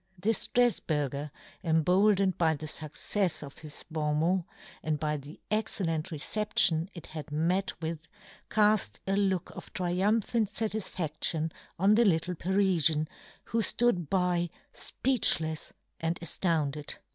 The Strafburger, emboldened by the fuccefs of his bon mot, and by the excellent reception it had met with, caft a look of triumphant fatisfaftion on the little Parifian, who flood by fpeechlefs and aftounded.